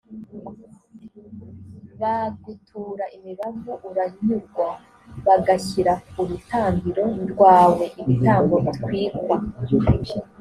bagutura imibavu, uranyurwa, bagashyira ku rutambiro rwawe ibitambo bitwikwa.